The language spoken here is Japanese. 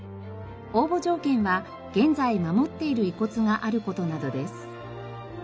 応募条件は現在守っている遺骨がある事などです。